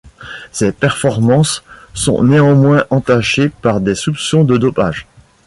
Ses performances sont néanmoins entachées par des soupçons de dopage.